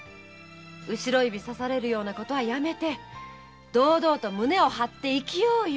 後ろ指さされるようなことはやめて堂々と胸を張って生きようよ。